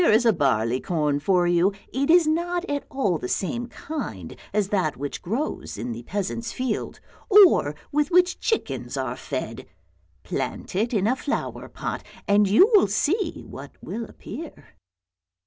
" able to manage " Here is a barley at all the same kind as that which grows in the peasant's field, or with which chickens are fed; plant it in a flower pot and you will see what will appear."